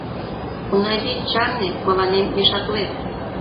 Унави, чарне — мыланем мешатлет...